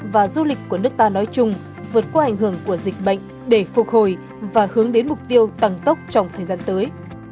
và du lịch của nước ta nói chung vượt qua ảnh hưởng của dịch bệnh để phục hồi và hướng đến mục tiêu tăng tốc trong thời gian tới